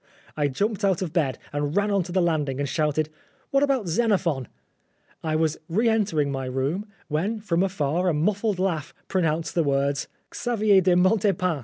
I jumped out of bed and ran on to the landing and shouted, " What about Xenophon ?" I was re entering my room, when from afar a muffled laugh pronounced the words, " Xavier de Montepin."